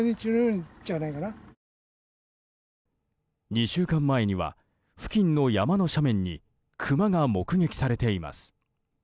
２週間前には付近の山の斜面にクマが目撃されています。